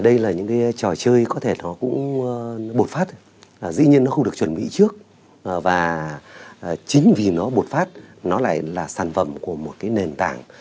đây là những cái trò chơi có thể nó cũng bột phát dĩ nhiên nó không được chuẩn bị trước và chính vì nó bột phát nó lại là sản phẩm của một cái nền tảng